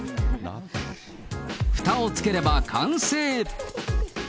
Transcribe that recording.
ふたをつければ完成。